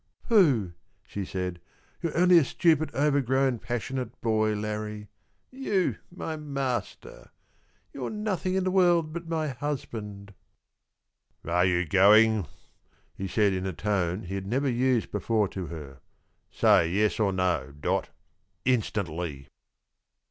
"Pooh," she said, "you're only a stupid over grown, passionate boy, Larrie. You my master! You're nothing in the world but my husband." "Are you going?" he said in a tone he had never used before to her. "Say Yes or No, Dot, instantly."